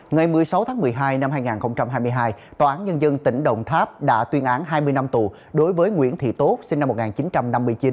ngày một mươi sáu tháng một mươi hai năm hai nghìn hai mươi hai tòa án nhân dân tỉnh đồng tháp đã tuyên án hai mươi năm tù đối với nguyễn thị tốt sinh năm một nghìn chín trăm năm mươi chín